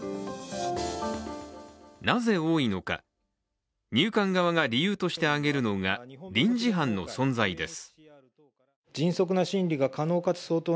なぜ多いのか、入管側が理由として挙げるのが臨時班の存在です。